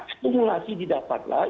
stimulasi didapat lah